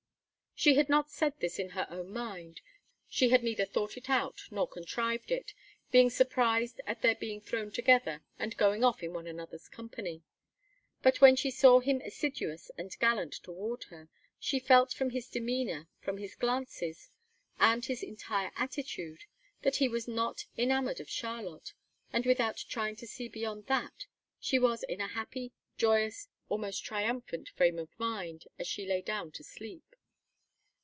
She had not said this in her own mind. She had neither thought it out nor contrived it, being surprised at their being thrown together and going off in one another's company. But when she saw him assiduous and gallant toward her, she felt from his demeanor, from his glances, and his entire attitude, that he was not enamored of Charlotte, and without trying to see beyond that, she was in a happy, joyous, almost triumphant frame of mind as she lay down to sleep.